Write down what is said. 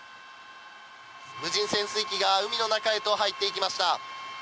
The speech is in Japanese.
無人潜水機が海の中へと入っていきました。